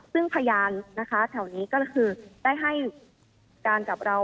ซึ่งพยานนะคะแถวนี้ก็คือได้ให้การกับเรา